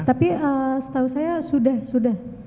tapi setahu saya sudah sudah